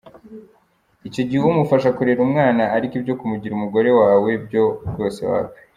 Icyo gihe umufasha kurera umwana , ariko ibyo kumugira umugore wawe byo rwose wapi.